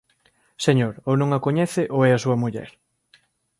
Señor, ou non a coñece ou é a súa muller.